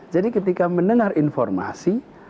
jadi ketika mendengar informasi